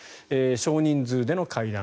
少人数での会談